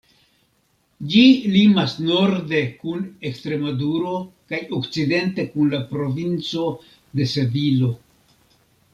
Ĝi limas norde kun Ekstremaduro kaj okcidente kun la provinco de Sevilo.